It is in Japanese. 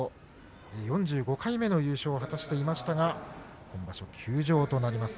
４５回目の優勝を果たしていましたが今場所は休場です。